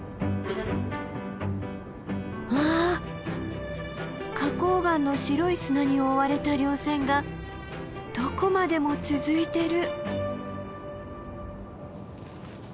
わあ花崗岩の白い砂に覆われた稜線がどこまでも続いてる。